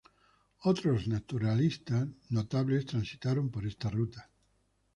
Otros naturalistas notables transitaron por esta ruta.